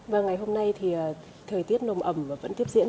vâng ngày hôm nay thì thời tiết nồm ẩm vẫn tiếp diễn